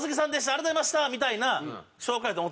「ありがとうございました」みたいな紹介やと思ったんですよ。